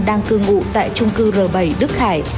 đang cương ụ tại chung cư r bảy đức khải